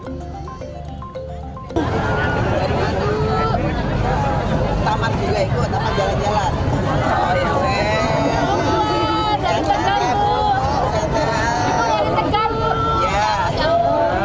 tamat juga ikut tamat jalan jalan